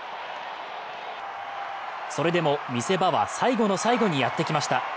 それでも見せ場は最後の最後にやってきました。